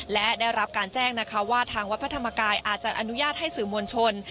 และได้รับการแจ้งนะคะว่าทางวัดพระธรรมกายอาจจะอนุญาตให้สื่อมวลชน